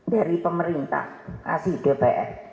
dari pemerintah kasih dpr